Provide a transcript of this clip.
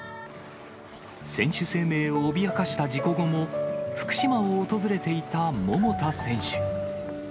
選手生命を脅かした事故後も、福島を訪れていた桃田選手。